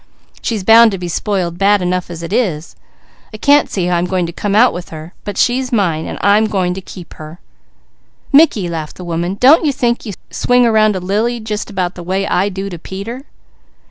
"She's bound to be spoiled bad enough as it is. I can't see how I'm going to come out with her, but she's mine, and I'm going to keep her." "Mickey," laughed the woman, "don't you think you swing around to Lily just about the way I do to Peter?"